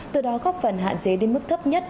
từ đó góp phần hạn chế đến mức thấp nhất